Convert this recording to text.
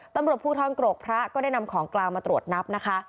ตำรวจภูทรกรกพระก็ได้นำของกลางมาตรวจนับนะคะ